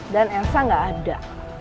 dan elsa gak ada